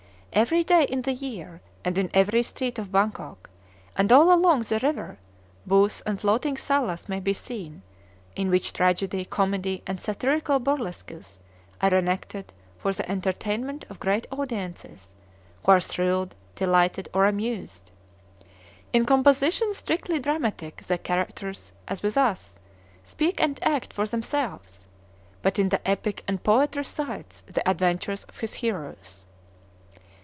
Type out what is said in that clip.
Every day in the year, and in every street of Bangkok, and all along the river, booths and floating salas may be seen, in which tragedy, comedy, and satirical burlesques, are enacted for the entertainment of great audiences, who are thrilled, delighted, or amused. In compositions strictly dramatic the characters, as with us, speak and act for themselves; but in the epic the poet recites the adventures of his heroes.